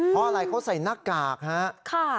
เพราะอะไรเขาใส่หน้ากากครับ